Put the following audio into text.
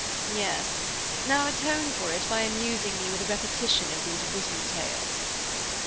"Yes. Now atone for it by amusing me with a repetition of these witty tales."